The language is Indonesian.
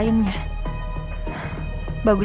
yang marah banget